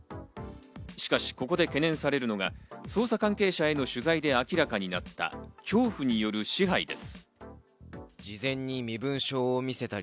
しかし、ここで懸念されるのが捜査関係者への取材で明らかになった恐怖による支配です。